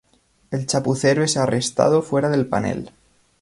El Chapucero es arrestado fuera del panel.